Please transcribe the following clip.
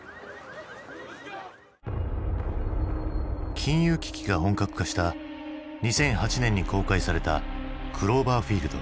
金融危機が本格化した２００８年に公開された「クローバーフィールド」。